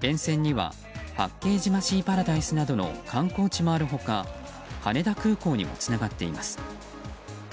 沿線には八景島シーパラダイスなどの観光地もある他羽田空港にもつながっています。